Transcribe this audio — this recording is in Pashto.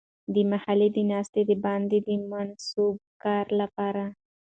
د محلي د ناستې د باندې د منصوبه کارۍ لپاره.